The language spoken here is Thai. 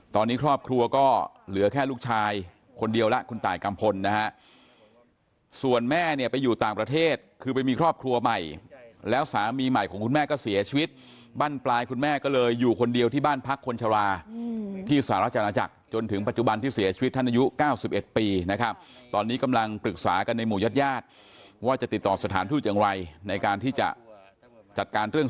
ตอนนี้ครอบครัวก็เหลือแค่ลูกชายคนเดียวละคุณตายกรรมพลนะฮะส่วนแม่เนี่ยไปอยู่ต่างประเทศคือไปมีครอบครัวใหม่แล้วสามีใหม่ของคุณแม่ก็เสียชีวิตบ้านปลายคุณแม่ก็เลยอยู่คนเดียวที่บ้านพักคนชาวาที่สหราชอาณาจักรจนถึงปัจจุบันที่เสียชีวิตท่านอายุ๙๑ปีนะครับตอนนี้กำลังปรึกษากันในหมู่ยา